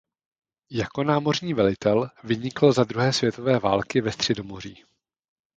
Jako námořní velitel vynikl za druhé světové války ve Středomoří.